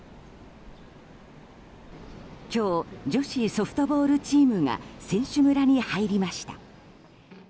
今日女子ソフトボールチームが選手村に入りました。